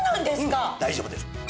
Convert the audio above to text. うん大丈夫です。